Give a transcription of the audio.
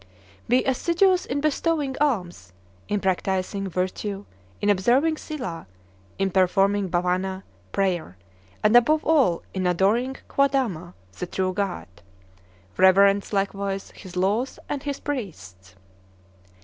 "Be assiduous in bestowing alms, in practising virtue, in observing Silah, in performing Bavana, prayer; and above all in adoring Guadama, the true God. Reverence likewise his laws and his priests."